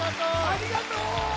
ありがとう。